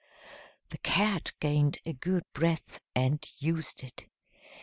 The cat gained a good breath and used it.